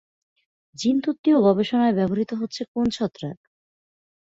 জিনতত্ত্বীয় গবেষণায় ব্যবহৃত হচ্ছে কোন ছত্রাক?